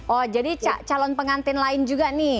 oh jadi calon pengantin lain juga nih